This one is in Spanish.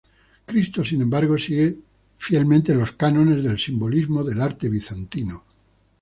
Cristo, sin embargo, sigue fielmente los cánones del simbolismo del arte bizantino.